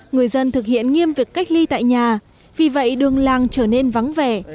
người dân thực hiện nghiêm việc cách ly tại nhà vì vậy đường làng trở nên vắng vẻ